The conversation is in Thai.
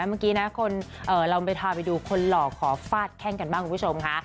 เมื่อกี้นะคนเราไปพาไปดูคนหล่อขอฟาดแข้งกันบ้างคุณผู้ชมค่ะ